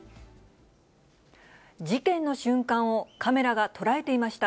事件の瞬間をカメラが捉えていました。